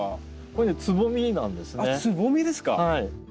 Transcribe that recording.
あっつぼみですか。